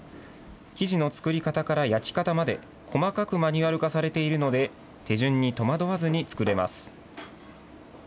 生地の作り方から焼き方まで、細かくマニュアル化されているので、手順に戸惑わずに作れます。